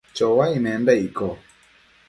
chouaic menda icco ?